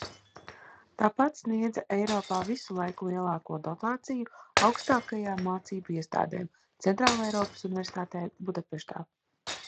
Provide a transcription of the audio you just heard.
Tāpat sniedza Eiropā visu laiku lielāko dotāciju augstākajām mācību iestādēm – Centrāleiropas Universitātē Budapeštā.